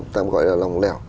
tạm gọi là lòng lẻo